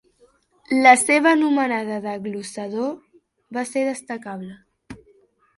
La seva anomenada de glosador va ser destacable.